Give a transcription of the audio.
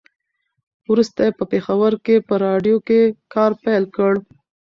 وروسته یې په پېښور کې په راډيو کې کار پیل کړ.